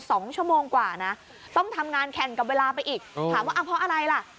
สองชั่วโมงกว่านะต้องทำงานแข่งกับเวลาไปอีกอืมถามว่าเพราะอะไรล่ะ